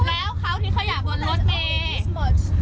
แล้วเขาที่ขยะบนรถเนี่ย